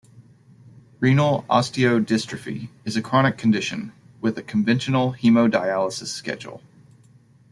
Renal osteodystrophy is a chronic condition with a conventional hemodialysis schedule.